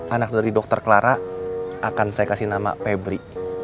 anak dari dokter clara akan saya kasih nama pebri